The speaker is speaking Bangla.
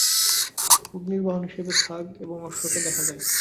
অগ্নির বাহন হিসেবে ছাগ এবং অশ্বকে দেখা যায়।